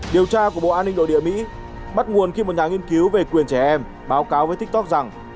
điều tra của bộ an ninh nội địa mỹ bắt nguồn khi một nhà nghiên cứu về quyền trẻ em báo cáo với tiktok rằng